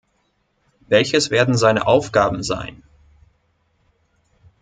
Welches werden seine Aufgaben sein?